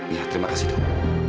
ya terima kasih dok